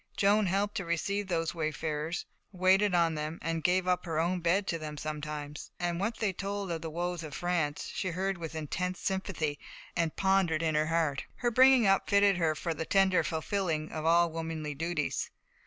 Joan helped to receive those wayfarers, waited on them, gave up her own bed to them sometimes; and what they told of the woes of France she heard with intense sympathy, and pondered in her heart. Her bringing up fitted her for the tender fulfilling of all womanly duties.